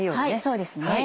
そうですね。